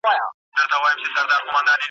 ورته راغله د برکلي د ښکاریانو .